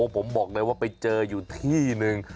ผมบอกเลยว่าไปเจออยู่ที่นึง